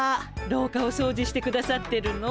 廊下をそうじしてくださってるの？